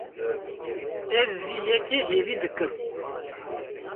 Ez vê yekê hêvî dikim.